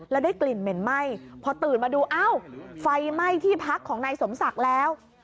แล้วได้กลิ่นเหม็นไหม้พอตื่นมาดูอ้าวไฟไหม้ที่พักของนายสมศักดิ์แล้ว